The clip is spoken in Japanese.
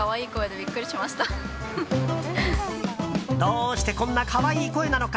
どうしてこんな可愛い声なのか。